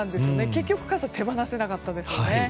結局、傘が手放せなかったですね。